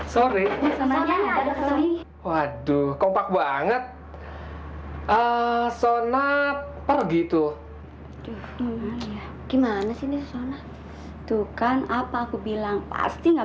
sorry waduh kompak banget ah sona pergi tuh gimana sih tuh kan apa aku bilang pasti nggak